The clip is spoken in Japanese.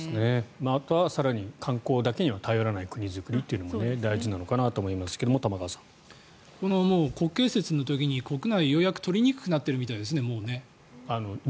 あとは更に観光だけには頼らない国づくりも大事なのかなと思いますが国慶節の時に国内、予約が取りにくくなっているみたいですね。